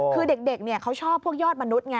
คือเด็กเขาชอบพวกยอดมนุษย์ไง